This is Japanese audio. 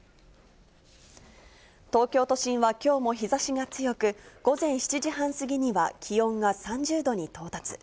東京都心はきょうも日ざしが強く、午前７時半過ぎには気温が３０度に到達。